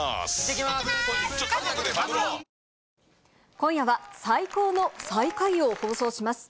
今夜は、最高の最下位を放送します。